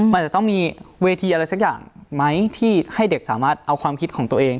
มันจะต้องมีเวทีอะไรสักอย่างไหมที่ให้เด็กสามารถเอาความคิดของตัวเอง